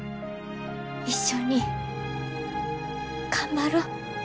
一緒に頑張ろ。